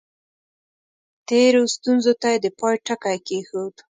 تېرو ستونزو ته یې د پای ټکی کېښود.